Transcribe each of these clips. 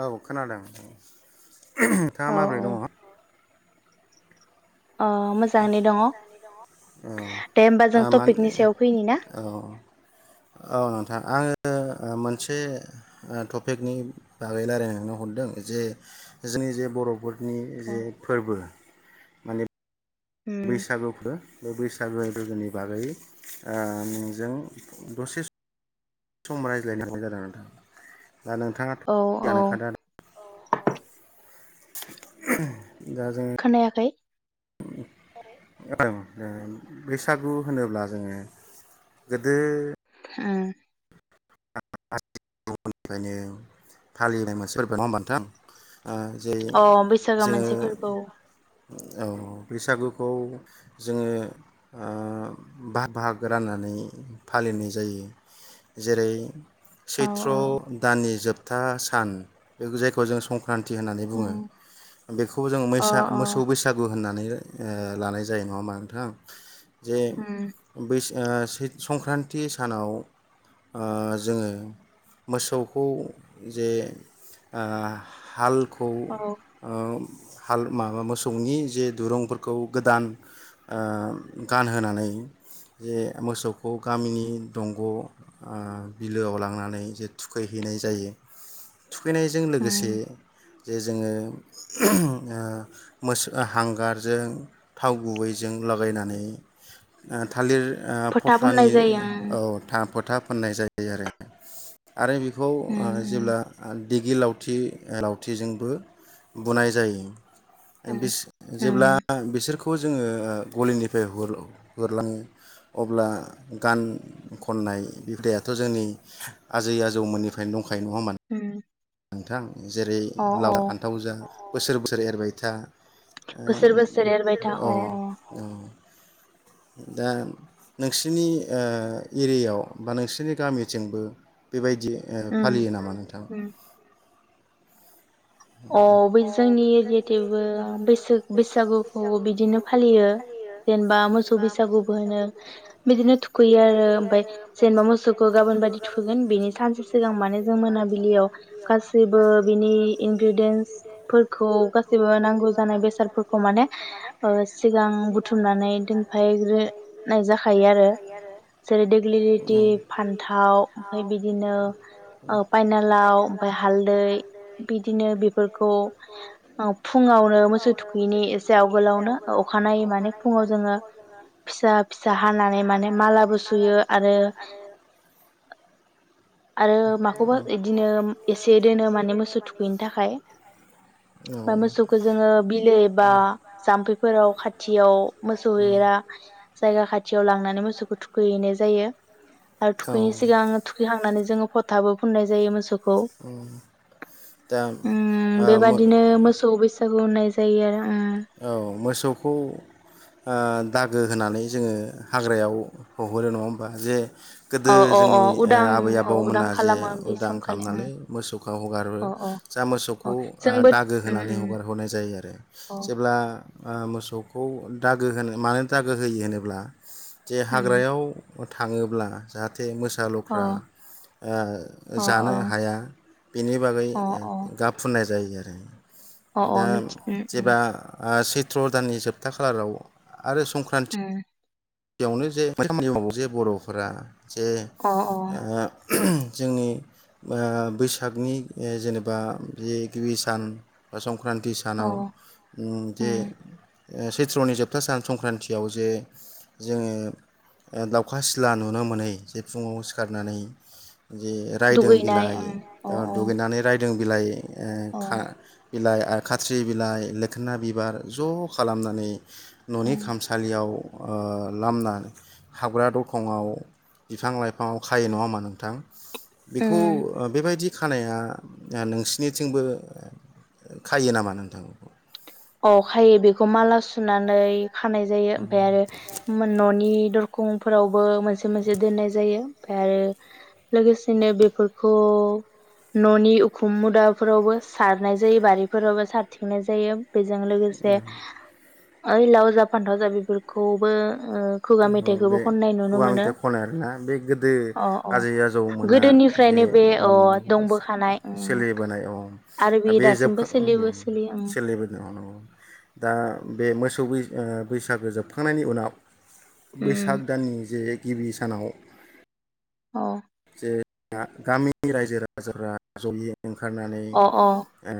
औ खोनादों। [unintelligible] [unintelligible] नोंथाङा माबोरै दङ। औ माने औ औ नोंथां आङो। मोनसे टपिकनि बागै रायलायलांनो हरदों जे जोंनि जे बर'फोर। नि जे फोरबो। बैसागोखौ। बे बैसागो रजोनि बागै ओ नोंजों दसे सम रायज्लायनो [unintelligible] जादों नोंथां। दा नोंथाङा थ [unintelligible] जानो खा दां। [unintelligible] खोनायाखै। बैसागु होनोब्ला जोङो गोदो। हम। [unintelligible] गुबुनिफ्रायनो फालिनायमोन मोनसे फोरबो नङा होनबा नोंथां। ओ जे जोङो। औ बैसागुखौ जोङो ओ भाग भाग राननानै फालिनाय जायो जेरै सैथ्र दाननि जोब था सान जायखौ जों सं क्रान्थि होननानै बुङो बेखौ जों मैसा मोसौ बैसागु होन्नानै नै लानाय जायो नङा होनबा नोंथां। जे बैसो। ओ संक्रान्ति सानाव ओ। जोङो मोसौखौ जे ओ हाल खौ ओ। हाल माबा मोसौनि जे दुरुंफोरखौ गोदान ओ गानहोनानै जे मोसौखौ गामिनि दंग आ। बिलोआव लांनानै जे थुखैहैनाय जायो। थुखैनायजों लोगोसे। जे जोङो ओहोम मोस हांगारजों थाव गुबैजों लागायनानै थालिर ओ फस्लानि औ था फोथा फोननाय जायो। ऐ आरो। आरो बेखौ आ जेब्ला आ। दिगि लावथि लावथिजोंबो बुनाय जायो बिस जेब्ला बिसोरखौ खौ जोङो गलिनिफ्राय हर हरलाङो अब्ला गान खननाय देत थ जोंनि आजै आजौमोननिफ्रायनो दं खाय नङाहोमबा नोंथां जेरै लाव फान्थावजों बोसोर बोसोर एरबाय था ओ बोसोर बोसोर एरबायथा औ औ दा नोंसोरनि ओ एरियायाव बा नोंसोरनि गामिथिंबो बेबायदि ओ फालियो नामा नोंथां? अ बै जोंनि [unintelligible] बैसो बैसागुखौ बिदिनो फालियो जेनेबा मोसौ बैसागुबो होनो बिदिनो थुखैयो आरो ओमफ्राय जेनेबा मोसौखौ गाबोन बायदि थुखैगोन बेनि सानसे सिगां माने जों मोनाबिलियाव गासैबो बिनि इनग्रेडेन्सफोरखौ गासैबो नांगौ जानाय बेसादफोरखौ माने सिगां बुथुमनानै दोनफायग्रोनाय जाखायो आरो जेरै देगलिलिटि फान्थाव ओमफाय बिदिनो पायनालाव ओमफाय हालदै बिदिनो बेफोरखौ फुङावनो मोसौ थुखैयैनि एसे आवगोलावनो अखानायै माने फुङाव जोङो फिसा फिसा हानानै माने मालाबो सुयो आरो आरो माखौबा बिदिनो एसे दोनो माने मोसौ थु थाखाय ओमफ्राय मोसौखौ जोंङो बिलो एबा जाम्फै फोराव खाथियाव मोसौ हैग्रा जायगा खाथियाव लांनाय मोसौखौ थुखै हैनाय जायो आरो थुखैयिनि सिगां थुखैखां नानै जों फथाबो फुननाय जायो मोसौ औ उम बेबादिनो मोसौ बैसाग बुंनाय जायो आरो औ मोसौखौ आ दागो होनानै जोङो हाग्रायाव हहरो नङा होमबा जे गोदो जोंनि आबै आबौमोनहा जे उदां खालामनानै मोसौखौ हगारहरो जा मोसौखौ आ दागो होनानै हगारहराय जायो आरो आ आ मोसौखौ दागो होनो मानो दागो होयो होनोब्ला जे हाग्रायाव अ थाङोब्ला जाहाथे थे मोसा लख्रा आ जानो हाया बेनि बागै गाब फुननाय जायो आरो दा जेबा सैत्र दाननि जोबथा खालाराव आरो संक्रान्ति बेयावनो जे खामानि मावो जे बरफोरा जे ओ [inaudible] जोंनि ओ बैसागनि ओ जेनेबा बे गिबि सान बा सं संक्रान्ति सानाव उम जे सैत्रनि जोबथा सान संक्रान्तियाव जे जोङो ओ दावखा सिला नुनो मोनै जे फुङाव सिखारनानै जि रायदों बिलाइ दुगैनानै रायदों रायदों बिलाइ ओ खा बिलाइ खाथ्रि बिलाइ लोखोना बिबार ज खालामनानै ननि खामसालियाव ओ लामना हाबग्रा दरखंआव बिफां लाइ आव खायो नङा होनबा नोंथां बेखौ ओ बेबायदि खानाया ओ नोंसिनिथिंबो खायो नामा नोंथां अ खायो बिखौ माला सु सुनानै खानाय जायो ओमफ्राय आरो मोननि दरखंफोरावबो मोनसे मोनसे दोननाय जायो ओमफ्राय आरो लोगोसेनो बेफोरखौ ननि उखुम मुदाफोरावबो सारनाय जायो बारिफोरावबो सारथिंनाय जायो बेजों लोगोसे ओइ लाव जा फान्थाव जा बेफोरखौबो बे खुगा मेथाय खनो आरोना बे गोदो आजै आजौमोना जे ओ सोलि बोनाय औ बे जोबखां सोलि अ नंगौ दा बे मोसौै बै ओ बैसागो जोबखांनायनि उनाव बैसाग दाननि जे गिबि सानाव औ [unintelligible] गामिनि रायजो राजाफ्रा जयै ओंखारनानै ओ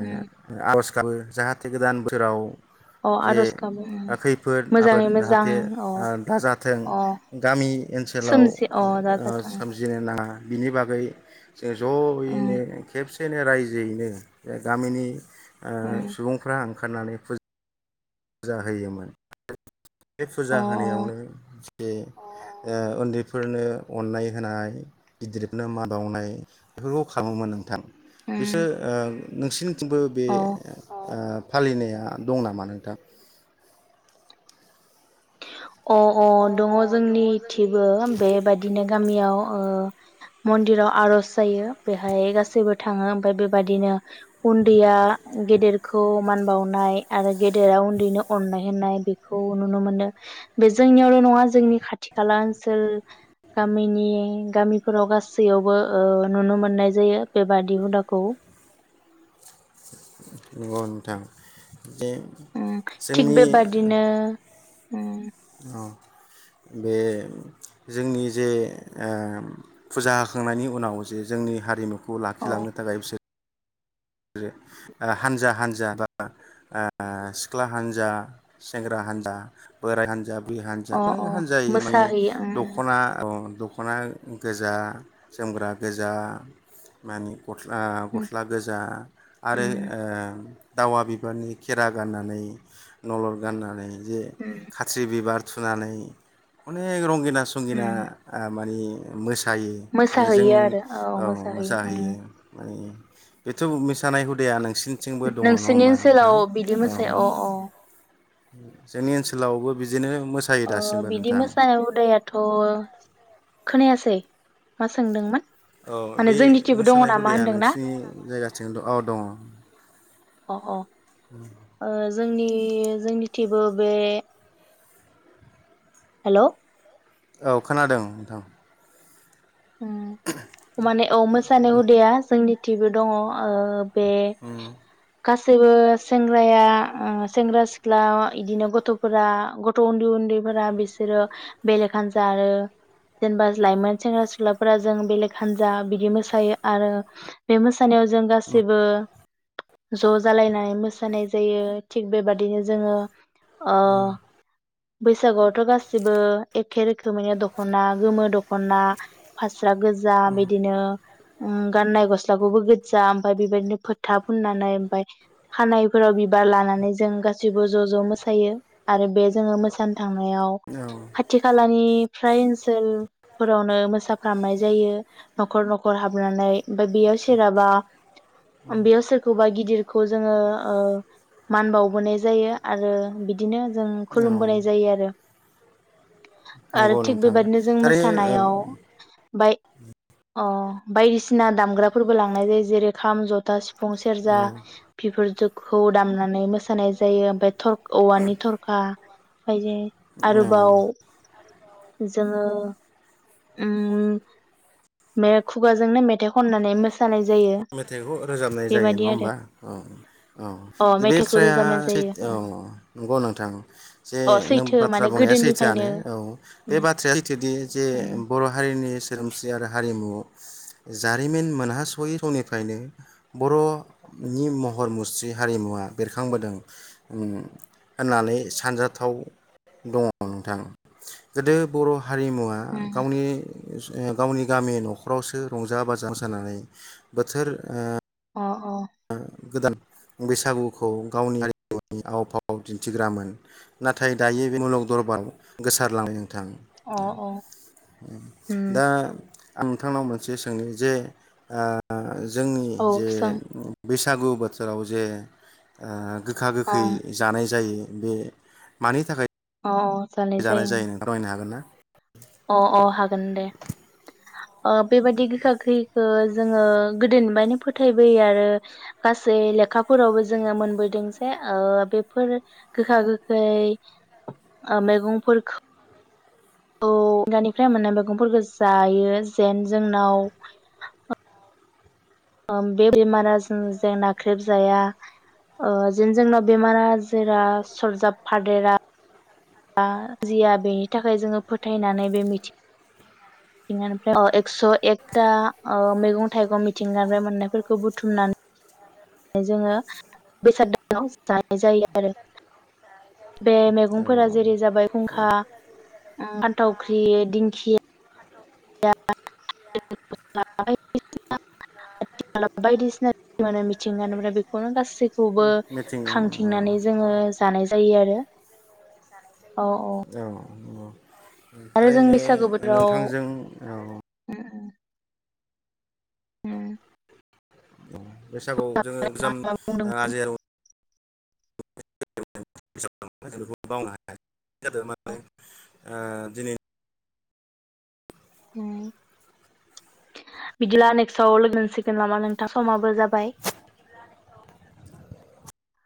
आरज जाल जाहाथे गोदान बोथोराव जे खैफोद आफोद जाहाथे ओ दाजाथों गामि ओनसोलाव ओ सोमजिनो नांङा ओ बिनि बागै जो जयैनो खेबसे सेनो रायजोयैनो बे गामिनि ओ सुबुंफ्रा ओं फोननानै फु फुजा होयोमोन बे फुजा होनायावनो बे उन्दैफोरनो अननाय होनाय गिदिरनो मान बावनाय बेफोरखौ खालामोमोन नोंथां बिसोर ओ नोंसिनि थिंबो बे ओ फालिनाया दं नामा नोंथां अ अ दङ जोंनि थिबो बेबायदिनो गामियाव ओ मन्दिराव आर'ज जायो बेहाय गासैबो थाङो ओमफाय बेबादिनो उन्दैया गेदेरखौ मान बावनाय आरो गेदेरा उन्दैनो अननाय होननाय बे खौ नुनो मोनदों बे जोंनियावल नङा जोंनि खाथि खाला ओनसोल गामिनि गामिफोराव गासैयावबो ओ नुनो मोननाय जायो बेबादि हुदाखौ नंग' नोंथां उम थिग बेबादिनो उम अ बे जोंनि जे ओ फुजा होखांनायनि उनाव जे जोंनि हारिमु खौ लाखिलांनो थाखाय बिसोर ओ हानजा हानजा बा ओ सिख्ला हानजा सेंग्रा हानजा बोराय हानजा बुरि हान्जाखौबो हान्जायै माने दखना अ दखना गोजा जोमग्रा गोजा मानि गस्ला गस्ला गोजा आरो ओ दावा बिबारनि खेरा गाननानै नलर गाननानै जे खाथ्रि बिबार सुनानै अनेग रं गिना संगिना ओ माने मोस सायो माने जों औ मोसाहैयो माने बेथौ मेसे थानाय हुदाया नों नोंसोरनि ओनसोलाव बिदि मोसा अ अ जोंनि ओनसोलावबो बि अ बिदि मोसानाय हुदायाथ' खोनायासै मा सोंदोंमोन औ बे मोसानाय हुदाया नोंसिनि जायगाथिं द औ दङ। जोंनि जोंनिथिबो बे हेलौ औ खोनादों नोंथां उम माने औ मोसानाय हुदाया जोंनि थिबो दङ ओब बे कास सैबो सेंग्राया ओ सेंग्रा सिख्ला इदिनो गथ'फोरा गथ' उन्दै उन्दैफोरा बिसोरो बेलेक हान्जा आरो जेनेबा लाइमोन सेंग्रा सि सिख्लाफोरा जों बेलेग हान्जा बिदि मोसायो आरो बे मोस मोसानायाव जों गासैबो ज जालायनानै मोसानाय जायो थिग बेबादिनो जोङो ओ बैसागुआवथ गासिबो एखे रोखोमैनि दखना गोमो दखना स्ला गोजा बिदिनो उम गाननाय गस्लाखौबो गो जा ओमफ्राय बेबायदिनो फोथा फुननानै ओमफाय खानायफोराव बिबार लानानै जों गासिबो ज' ज' मोसायो आरो बे जोङो मोसानो थांनायाव खाथि खालानि फ्राय ओनसोलफोरावनो मोसा खालामनाय जायो नखर नखर हाबनानै ओमफाय बेयाव सोराबा बेयाव सोरखौबा गिदिरखौ जोङो ओ मान बावबोनाय जायो आरो बिदिनो जों खुलुमबोनाय जायो आरो। आरो थिग बेबायदिनो जों मोसानायाव बाय अ बायदिसिना दामग्राफोरबो लांनाय जायो जेरै खाम, जथा, सिफुं, सेरजा बिफोर जोबखौ दामनानै मोसानाय जायो ओमफाय थर औवानि थरखा ओमफायजे आरोबाव जोङो उम बे खुगाजोंनो मेथाइ खननानै मोसानाय मेथाइखौ रोजाबनाय जायो नङा होमबा अ औ बे थ्राया सैथ औ नंगौ नोंथां जे नों बाथ्रा बुंनाया सैथोआनो औ बे बाथ्राया सैथोदि जे बर' हारिनि सोरोमसि आरो हारि मुव जारिमिन मोनहासयै समनिफ्रायनो बर नि महर मुस्रि हारिमुवा बेरखांबोदों उम होननानै सानजाथाव दङ नोंथां गोदो बर' हारिमुआ गावनि ओ गावनि गामि नखरावसो रंजा बाजा मोसानानै बोथोर ओ अ ओ गोदान बैसागुखौ गावनि हारि [unintelligible] आव फाव दिन्थिग्रामोन नाथाय दायो बे मुलुग दरबाराव गोसारलां थां दा आं नोंथांनाव मोनसे सोंनि जे ओ जोंनि जे बैसागु बोथोराव जे आं गोखा गोखै जानाय जायो बे मानि थाखाय अ द जानाय जायो नोंथां [unintelligible] हागोन ना। [inaudible] अ अ हागोन दे ओ बेबायाददि गोखा गोखैखौ जोङो गोदोनिफ्रायनो फोथायबोयो आरो गासै लेखाफोरावबो जोङो मोनबोदों जे ओ बेफोर गोखा गोखै मैगंफोरख औ दानिफ्राय मोननाय मैगंफोरखौ जायो जेन जोंनाव ओ बे बेमारा जों जें नाख्रेबजाया जेन जोंनाव बेमारा जेरा सरजाब फादेरा। आ जिया बेनि थाखाय जोङो फोथायनानै बे मिथिंगा निफ्राय एक्स एकथा ओ मैगं थाइगं मिथिंगानिफ्राय मोननायफोरखौ बुथुमनानै जोङो बेसाद दानाव जानाय जायो आरो बे मैगंफोरा जेरै जाबाय खुंखा ओ फान्थावख्रि दिंखि [unintelligible] आथिखालाव बायदिसिनाे मिथिंगाफ्राय बेखौ गासैखौबो खांथिंनानै जोङो जानाय जायो आरो औ औ। रायनो बेफोराव ओम ओम उम। बैसागुआव जोङो जाम जेराव [inaudible] ओम बिदिब्ला नेक्स्टआव लोगोमोनसिगोन नामा नोंथां समाबो जाबाय।